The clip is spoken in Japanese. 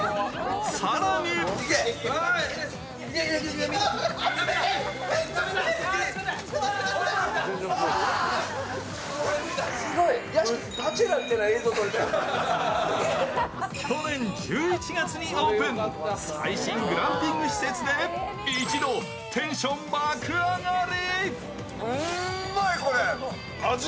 更に去年１１月にオープン最新グランピング施設で一同、テンション爆上がり！